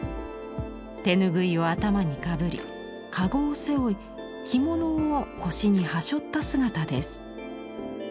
手拭いを頭にかぶり籠を背負い着物を腰にはしょった姿です。